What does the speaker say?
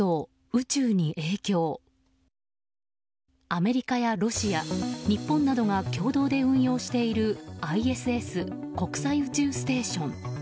アメリカやロシア日本などが共同で運用しているＩＳＳ・国際宇宙ステーション。